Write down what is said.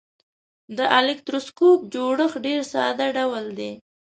د الکتروسکوپ جوړښت ډیر ساده ډول دی.